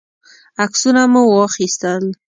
عکسونه مو واخیستل.